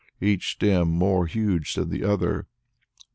each stem more huge than the other!